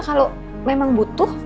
kalau memang butuh